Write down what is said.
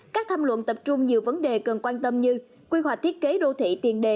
các tham luận tập trung nhiều vấn đề cần quan tâm như quy hoạch thiết kế đô thị tiền đề